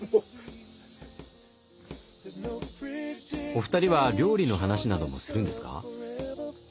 お二人は料理の話などもするんですか？